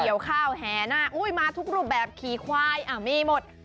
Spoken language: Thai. รถเกี่ยวข้าวแห่นาคมาทุกรูปแบบขี่ควายมีหมด